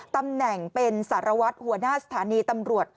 ตำแหน่งเป็นสารวัตรหัวหน้าสถานีตำรวจ